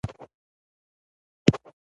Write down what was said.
د رسنیو پرمختګ د ټکنالوژۍ له برکته دی.